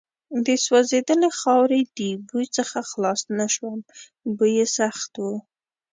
د سوځېدلې خاورې د بوی څخه خلاص نه شوم، بوی یې سخت و.